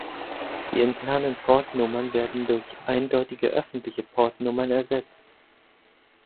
Die internen Port-Nummern werden durch eindeutige öffentliche Port-Nummern ersetzt.